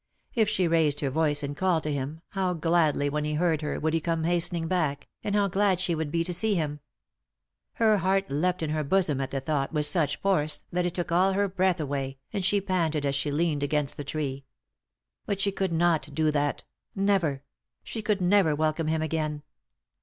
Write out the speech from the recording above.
If she raised her voice and called to him, how gladly, when he heard her, would he come hastening back, and how glad she would be to see him. Her heart leapt in her bosom at the thought with such force that it took all her breath away, and she panted as she leaned against the tree. But she could not do that — never ; she could never welcome him again.